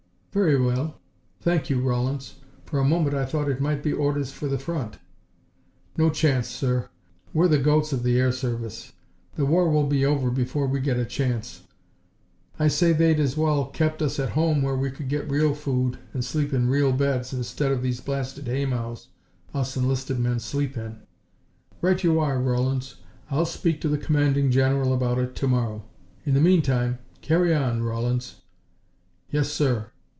"Very well. Thank you, Rawlins. For a moment I thought it might be orders for the front." "No chance, sir. We're the goats of the air service. The war will be over before we get a chance. I say they'd as well kept us at home where we could get real food and sleep in real beds instead of these blasted hay mows us enlisted men sleep in." "Right you are, Rawlins. I'll speak to the Commanding General about it to morrow. In the meantime, carry on, Rawlins." "Yes, sir."